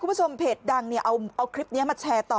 คุณผู้ชมเพจดังเอาคลิปนี้มาแชร์ต่อ